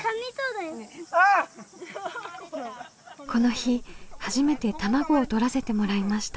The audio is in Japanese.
この日初めて卵をとらせてもらいました。